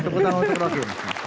tepuk tangan bu rocky